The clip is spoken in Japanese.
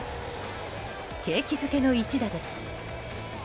景気づけの一打です。